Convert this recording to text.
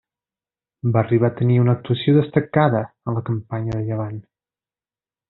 Va arribar a tenir una actuació destacada en la campanya de Llevant.